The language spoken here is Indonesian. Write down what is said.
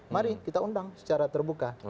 mari kita undang secara terbuka